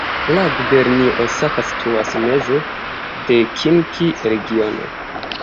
La gubernio Osaka situas meze de Kinki-regiono.